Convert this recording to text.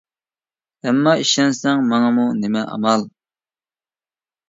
ئەمما ئىشەنسەڭ، ماڭىمۇ نېمە ئامال؟ !